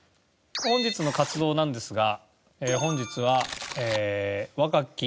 本日の活動なんですが。